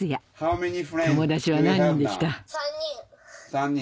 ３人。